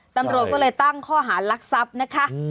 ตำรวจก็เลยตั้งข้อหารักทรัพย์นะคะ